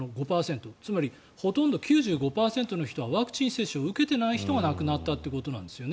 つまりほとんど９５％の人はワクチン接種を受けていない人が亡くなったということなんです。